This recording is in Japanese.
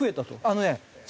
あのね。